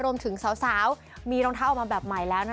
รวมถึงสาวมีรองเท้าออกมาแบบใหม่แล้วนะ